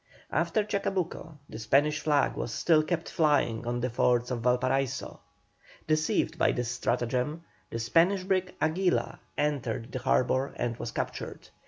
After Chacabuco the Spanish flag was still kept flying on the forts of Valparaiso. Deceived by this stratagem, the Spanish brig Aguila entered the harbour and was captured.